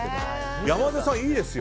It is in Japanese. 山添さん、いいですよ。